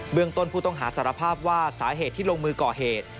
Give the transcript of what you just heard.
เมืองต้นผู้ต้องหาสารภาพว่าสาเหตุที่ลงมือก่อเหตุ